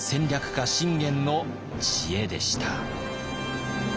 家信玄の知恵でした。